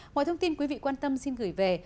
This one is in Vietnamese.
mọi thông tin quý vị quan tâm xin gửi về